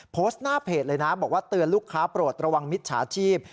โพสต์หน้าเพจเลยนะบอกว่าเตือนลูกค้าโปรดระวังมิจฉาชีพ